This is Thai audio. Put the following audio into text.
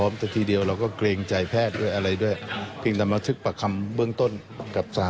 ไม่มีการรู้ก็จะเป็นต้นแยกเหมือนกัน